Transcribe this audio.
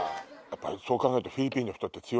そう考えると。